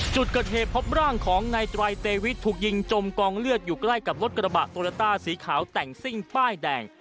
จุดกระเทพภอบร่างของนายตรายเตวิตถูกยิงจมกองเลือดอยู่ใกล้กับรถกระบะตัวละต้าสีขาวแต่งสิ้นป้ายแดง